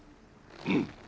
うん。